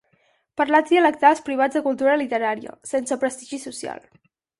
Parlars dialectals privats de cultura literària, sense prestigi social.